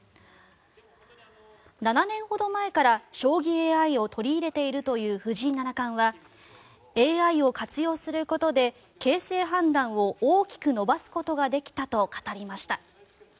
７年ほど前から将棋ＡＩを取り入れているという藤井七冠はＡＩを活用することで形勢判断を大きく伸ばすことができたと語りました。